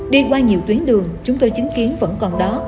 đi qua nhiều tuyến đường chúng tôi chứng kiến vẫn còn đó